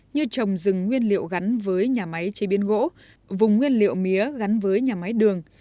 như trồng rừng nguyên liệu gắn với nhà máy chế biến gỗ vùng nguyên liệu mía gắn với nhà máy đường